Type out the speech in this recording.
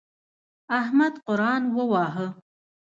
احمد قرآن وواهه.